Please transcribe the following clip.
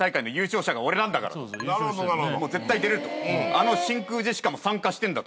あの真空ジェシカも参加してんだと。